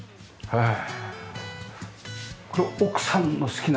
はい。